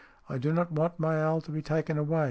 " I do not want my owl to be taken away.